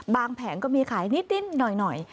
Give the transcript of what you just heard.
บางแผงก็มีขายนิดนิดหน่อย